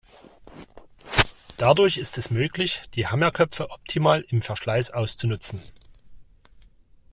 Dadurch ist es möglich, die Hammerköpfe optimal im Verschleiß auszunutzen.